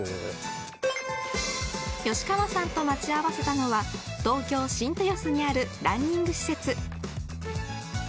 吉川さんと待ち合わせたのは東京、新豊洲にあるランニング施設。